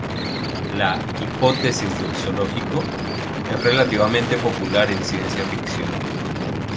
La "hipótesis del zoológico" es relativamente popular en ciencia ficción.